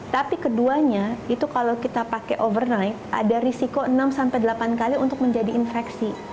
tapi keduanya itu kalau kita pakai overnight ada risiko enam sampai delapan kali untuk menjadi infeksi